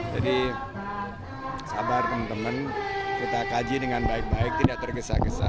jadi sabar teman teman kita kaji dengan baik baik tidak tergesa gesa